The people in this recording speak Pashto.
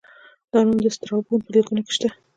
دا نوم د سترابون په لیکنو کې شته